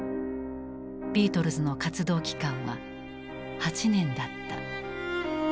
ビートルズの活動期間は８年だった。